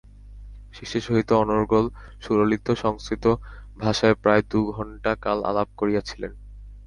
শিষ্যের সহিত অনর্গল সুললিত সংস্কৃত ভাষায় প্রায় দু-ঘণ্টা কাল আলাপ করিয়াছিলেন।